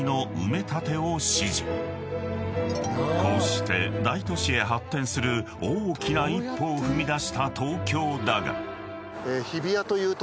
［こうして大都市へ発展する大きな一歩を踏み出した東京だが］